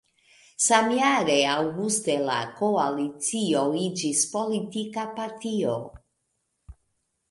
Samjare aŭguste la koalicio iĝis politika partio.